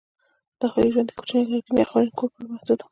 داخلي ژوند یې کوچني لرګین یا خاورین کور پورې محدود و.